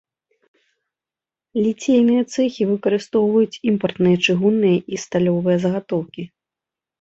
Ліцейныя цэхі выкарыстоўваюць імпартныя чыгунныя і сталёвыя загатоўкі.